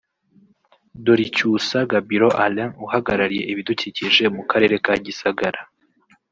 Doricyusa Gabiro Alain uhagarariye ibidukikije mu Karere ka Gisagara